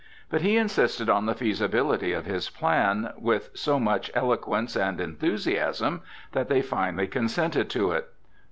But he insisted on the feasibility of his plan with so much eloquence and enthusiasm that they finally consented to it.